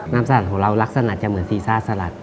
สลัดของเราลักษณะจะเหมือนซีซ่าสลัด